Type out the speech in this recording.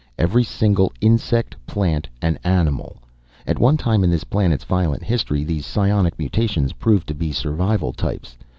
Every single insect, plant and animal. At one time in this planet's violent history these psionic mutations proved to be survival types.